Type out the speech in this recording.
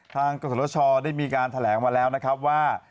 กศชได้มีการแถลงมาแล้วนะครับว่า